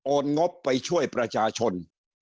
งบไปช่วยประชาชน